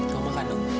kamu makan dong